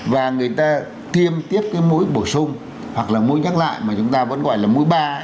và người ta tiêm tiếp cái mũi bổ sung hoặc là mũi nhắc lại mà chúng ta vẫn gọi là mũi ba